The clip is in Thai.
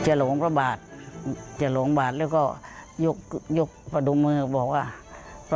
จะหลวงพระบาทจะหลวงบาทแล้วก็ลุกพระดุมือบอกว่า